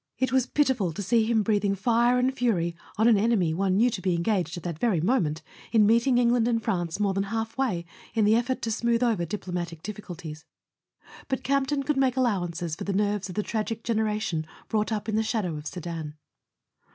It was pitiful to see him breathing fire and fury on an enemy one knew to be engaged, at that very moment, in meeting England and France more than half way in the effort [ 10 ] A SON AT THE FRONT to smooth over diplomatic difficulties. But Campton could make allowances for the nerves of the tragic gen¬ eration brought up in the shadow of Sedan.